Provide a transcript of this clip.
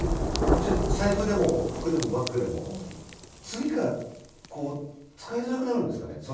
財布でも服でもバッグでも次から使いづらくなるんですかね